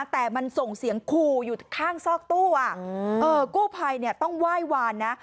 แต่มันส่งเสียงขู่อยู่ข้างซอกตู้กู้ภัยเนี่ยต้องไหว้วานนะ